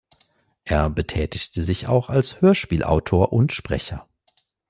Er betätigte sich auch als Hörspielautor und -sprecher.